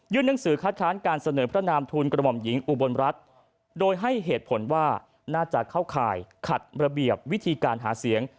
หนังสือคัดค้านการเสนอพระนามทุนกระหม่อมหญิงอุบลรัฐโดยให้เหตุผลว่าน่าจะเข้าข่ายขัดระเบียบวิธีการหาเสียง